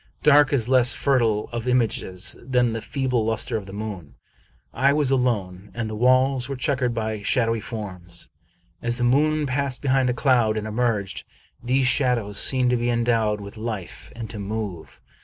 Dark is less fertile of images than the feeble luster of the moon. I was alone, and the walls were checkered by shadowy forms. As the moon passed behind a cloud and emerged, these shadows seemed to be endowed with life, and to move.